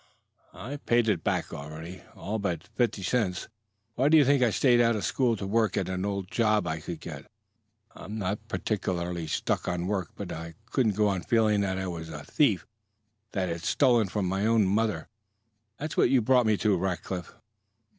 "I've paid it back already, all but fifty cents. Why do you think I stayed out of school to work at any old job I could get? I'm not particularly stuck on work, but I couldn't go on feeling that I was a thief that I had stolen from my own mother. That's what you brought me to, Rackliff."